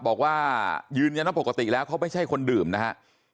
บอกว่ายืนอย่างน้อยปกติแล้วเค้าไม่ใช่คนดื่มนะครับ